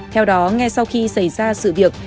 theo đó ngay sau khi xảy ra sự việc